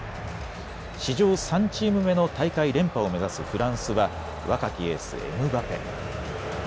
史上３チーム目の大会連覇を目指すフランスは若きエース、エムバペ。